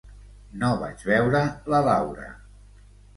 No vaig veure la Laura.